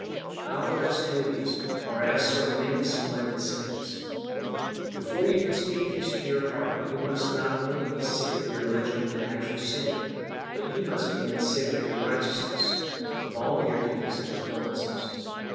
Our best duties are as so many splendid sins. Before you can speak peace to your heart you must not only be sick of your original and actual sin, but you must be made sick of your righteousness, of all your duties and performances.